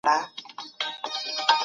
سیاسي مینه تر نورو مینو ډېره مجنونه وي.